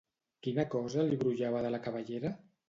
Quina cosa li brollava de la cabellera?